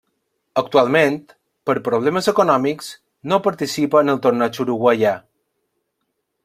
Actualment, per problemes econòmics, no participa en el torneig uruguaià.